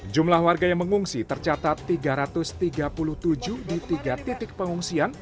jumlah warga yang mengungsi tercatat tiga ratus tiga puluh tujuh di tiga titik pengungsian